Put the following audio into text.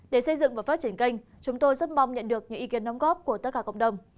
để xây dựng và phát triển kênh chúng tôi rất mong nhận được những ý kiến đóng góp của tất cả cộng đồng